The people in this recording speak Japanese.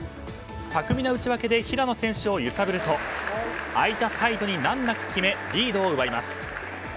巧みな打ち分けで平野選手を揺さぶると空いたサイドに難なく決めリードを奪います。